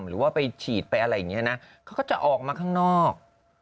หรือว่าไปฉีดไปอะไรอย่างนี้นะเขาก็จะออกมาข้างนอก